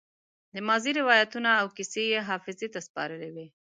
د ماضي روايتونه او کيسې يې حافظې ته سپارلې وي.